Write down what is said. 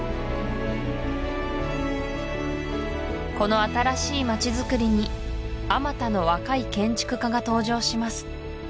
この新しい街づくりにあまたの若い建築家が登場します